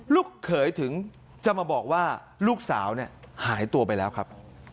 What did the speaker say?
เขยถึงจะมาบอกว่าลูกสาวเนี่ยหายตัวไปแล้วครับ